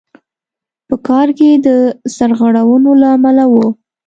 په کار کې د سرغړونو له امله وو.